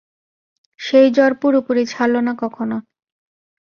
সেই জ্বর পুরোপুরি ছাড়ল না কখনো।